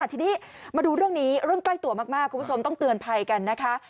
ทีนี้มาดูเรื่องนี้เรื่องใกล้ตัวมากคุณผู้ชมต้องเตือนภัยกันนะคะ